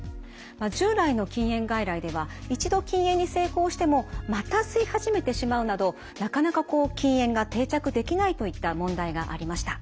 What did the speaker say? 従来の禁煙外来では一度禁煙に成功してもまた吸い始めてしまうなどなかなか禁煙が定着できないといった問題がありました。